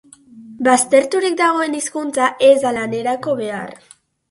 Bazterturik dagoen hizkuntza ez da lanerako behar.